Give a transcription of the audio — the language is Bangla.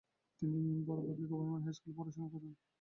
তিনি বড়বাঁকী গভর্নমেন্ট হাইস্কুল পড়াশোনা করেন।